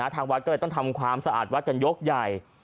ทางวัดก็เลยต้องทำความสะอาดวัดกันยกใหญ่